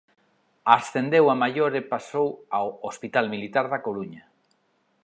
Ascendeu a maior e pasou ao Hospital Militar da Coruña.